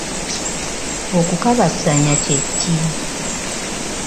Okukabasanya kye ki?